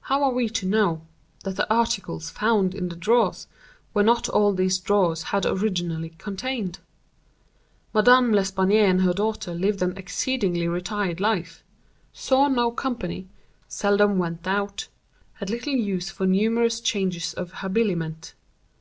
How are we to know that the articles found in the drawers were not all these drawers had originally contained? Madame L'Espanaye and her daughter lived an exceedingly retired life—saw no company—seldom went out—had little use for numerous changes of habiliment.